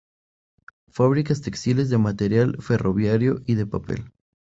Fábricas textiles, de material ferroviario y de papel.